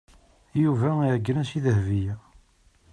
Yuba iɛeggen-as i Dahbiya.